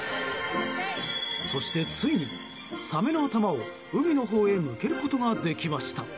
そして、ついにサメの頭を海のほうへ向けることができました。